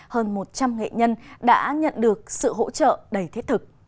hơn một trăm linh nghệ nhân đã nhận được sự hỗ trợ đầy thiết thực